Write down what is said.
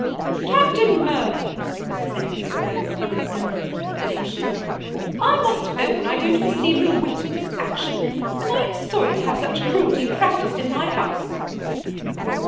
"Captain Mirvan," said Mrs. Beaumont, with no little indignation, "I must own I don't perceive the wit of this action; and I am sorry to have such cruelty practised in my house."